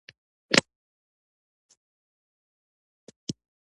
ایا زه باید اختر لمانځه ته لاړ شم؟